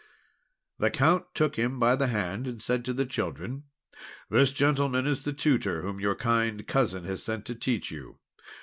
The Count took him by the hand, and said to the children: "This gentleman is the tutor whom your kind Cousin has sent to teach you.